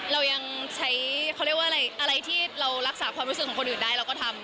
เรายังใช้เขาเรียกว่าอะไรที่เรารักษาความรู้สึกของคนอื่นได้เราก็ทำ